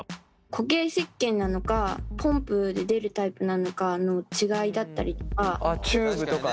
固形せっけんなのかポンプで出るタイプなのかの違いだったりとか。